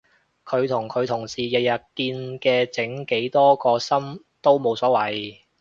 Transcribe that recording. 佢同佢同事日日見嘅整幾多個心都冇所謂